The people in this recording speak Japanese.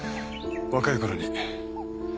若い頃に。